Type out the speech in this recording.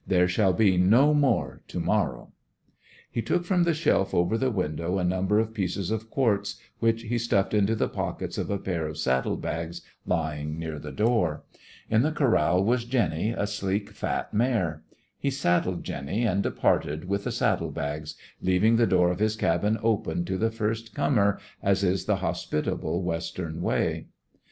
"There shall be no more to morrow!" He took from the shelf over the window a number of pieces of quartz, which he stuffed into the pockets of a pair of saddle bags lying near the door. In the corral was Jenny, a sleek, fat mare. He saddled Jenny and departed with the saddle bags, leaving the door of his cabin open to the first comer, as is the hospitable Western way.